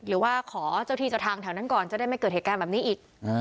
หรือว่าขอเจ้าที่เจ้าทางแถวนั้นก่อนจะได้ไม่เกิดเหตุการณ์แบบนี้อีก